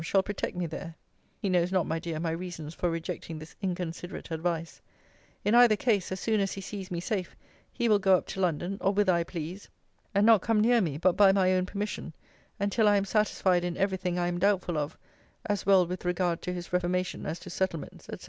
shall protect me there.' [He knows not, my dear, my reasons for rejecting this inconsiderate advice.] 'In either case, as soon as he sees me safe, he will go up to London, or whither I please; and not come near me, but by my own permission; and till I am satisfied in every thing I am doubtful of, as well with regard to his reformation, as to settlements, &c.